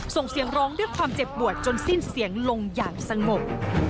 ส่งเสียงร้องด้วยความเจ็บปวดจนสิ้นเสียงลงอย่างสงบ